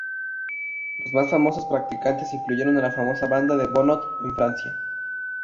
Los más famosos practicantes incluyeron a la famosa Banda de Bonnot en Francia.